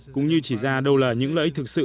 cũng như chỉ ra đâu là những lợi ích thực sự